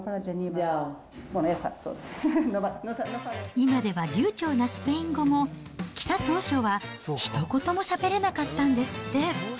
今では流ちょうなスペイン語も、来た当初は、ひと言もしゃべれなかったんですって。